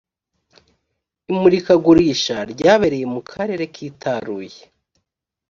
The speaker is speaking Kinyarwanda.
imurikagurisha ryabereye mu karere kitaruye